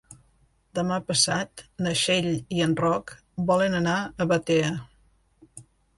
Demà passat na Txell i en Roc volen anar a Batea.